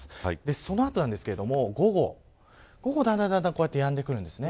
その後なんですが午後は、だんだんやんでくるんですね。